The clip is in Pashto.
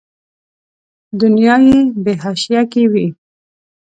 دنیا یې په حاشیه کې وي.